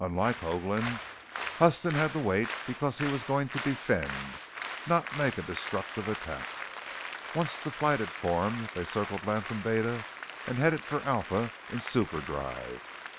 Unlike Hoagland, Huston had to wait because he was going to defend, not make a destructive attack. Once the flight had formed, they circled Latham Beta and headed for Alpha in superdrive.